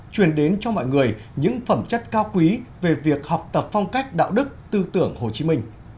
truyền đến cho mọi người những phẩm chất cao quý về việc học tập phong cách đạo đức tư tưởng hồ chí minh